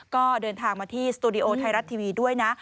ก็เดินทางมาที่สตูดิโอไทยรัฐทีวีด้วยนะ